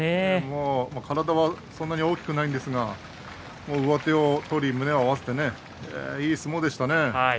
体を大きくないんですが上手を取り胸を合わせていい相撲でしたね。